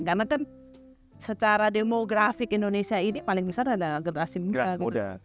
karena kan secara demografik indonesia ini paling besar adalah generasi muda